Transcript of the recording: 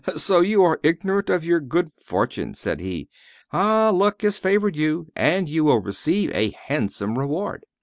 "So you are ignorant of your good fortune," said he. "Ah! luck has favored you, and you will receive a handsome reward."